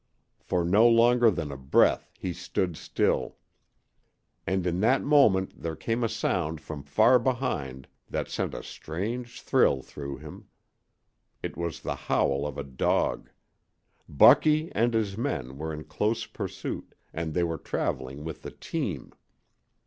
For no longer than a breath he stood still, and in that moment there came a sound from far behind that sent a strange thrill through him. It was the howl of a dog. Bucky and his men were in close pursuit, and they were traveling with the team.